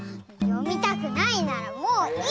読みたくないならもういいよ！